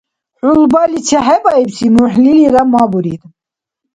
ХӀулбали чехӀебаибси мухӀлилира мабурид.